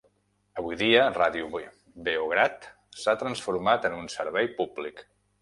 Avui dia, Radio Beograd s'ha transformat en un servei públic.